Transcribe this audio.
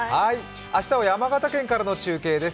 明日は山形県からの中継です。